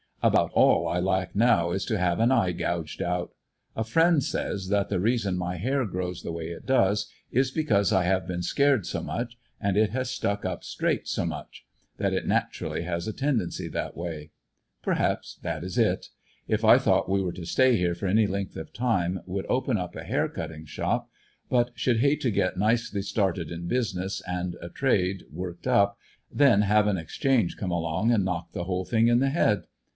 About all I lack now is to have an eye gouged out . A friend says that the reason my hair grows the way it does is because I have been scared so much, and it has stuck up straight so much, that it naturally has a tendency that way Perhaps that is it. If I thouglit we were to stay here for any length of time would open up a hair cutting shop; but should hate to get nicely started in business and a trade worked up, then have an exchange come along and knock the whole thing in the head.